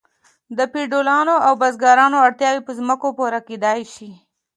د فیوډالانو او بزګرانو اړتیاوې په ځمکو پوره کیدې.